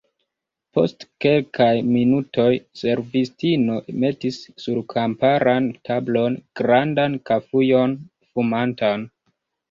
Post kelkaj minutoj, servistino metis sur kamparan tablon grandan kafujon fumantan.